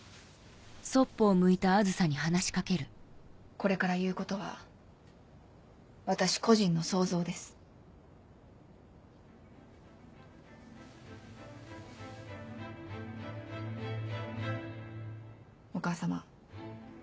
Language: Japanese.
これから言うことは私個人の想像です。お母さま。